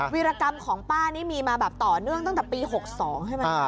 วิรกรรมของป้านี่มีมาแบบต่อเนื่องตั้งแต่ปี๖๒ใช่ไหม